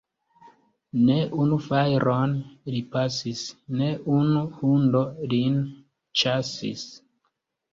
Ne unu fajron li pasis, ne unu hundo lin ĉasis.